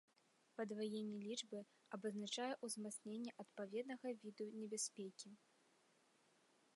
Падваенне лічбы, абазначае ўзмацненне адпаведнага віду небяспекі.